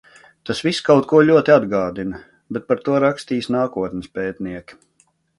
Tas viss kaut ko ļoti atgādina. Bet par to rakstīs nākotnes pētnieki.